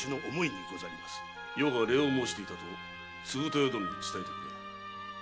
余が礼を申していたと継豊殿に伝えてくれ。